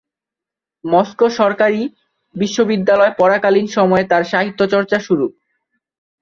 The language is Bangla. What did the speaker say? মস্কো সরকারী বিশ্ববিদ্যালয়ে পড়াকালীন সময়ে তার সাহিত্যচর্চা শুরু।